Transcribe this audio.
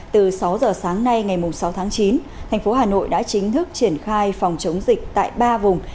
từ sáu giờ sáng nay ngày sáu tháng chín thành phố hà nội đã chính thức triển khai phòng chống dịch tại ba vùng